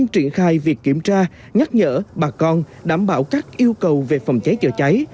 triển khai việc kiểm tra nhắc nhở bà con đảm bảo các yêu cầu về phòng cháy chữa cháy